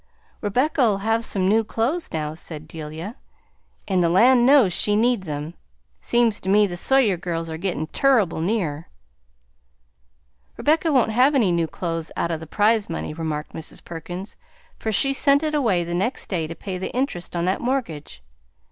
"Rebecca'll have some new clothes now," said Delia, "and the land knows she needs 'em. Seems to me the Sawyer girls are gittin' turrible near!" "Rebecca won't have any new clothes out o' the prize money," remarked Mrs. Perkins, "for she sent it away the next day to pay the interest on that mortgage."